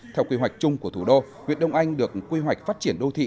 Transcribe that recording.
theo quy hoạch chung của thủ đô huyện đông anh được quy hoạch phát triển đô thị